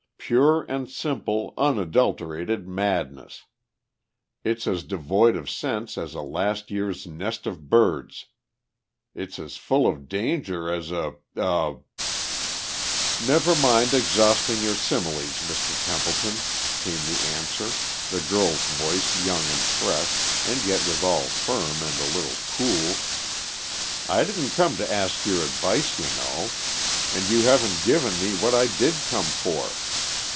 Pure and simple, unadulterated madness! It's as devoid of sense as a last year's nest of birds; it's as full of danger as a ... a ..." "Never mind exhausting your similes, Mr. Templeton," came the answer, the girl's voice young and fresh and yet withal firm and a little cool. "I didn't come to ask your advice, you know. And you haven't given me what I did come for.